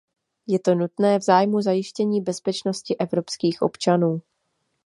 Je to nutné v zájmu zajištění bezpečnosti evropských občanů.